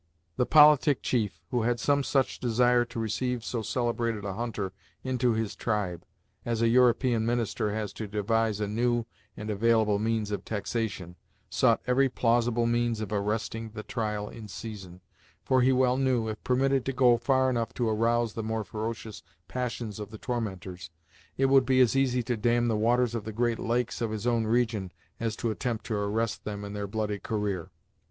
The politic chief, who had some such desire to receive so celebrated a hunter into his tribe, as a European Minister has to devise a new and available means of taxation, sought every plausible means of arresting the trial in season, for he well knew, if permitted to go far enough to arouse the more ferocious passions of the tormentors, it would be as easy to dam the waters of the great lakes of his own region, as to attempt to arrest them in their bloody career.